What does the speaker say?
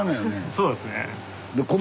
そうですね。